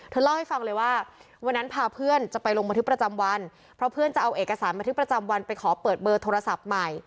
เล่าให้ฟังเลยว่าวันนั้นพาเพื่อนจะไปลงบันทึกประจำวันเพราะเพื่อนจะเอาเอกสารบันทึกประจำวันไปขอเปิดเบอร์โทรศัพท์ใหม่